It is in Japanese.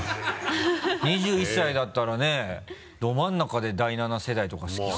２１歳だったらねど真ん中で第７世代とか好きそうだけど。